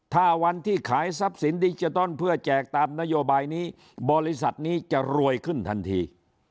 ถ้าวันที่ขายทรัพย์สินดิจิตอลเพื่อแจกตามนโยบายนี้บริษัทนี้จะรวยขึ้นทันที